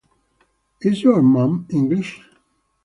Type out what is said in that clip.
Is your mum English?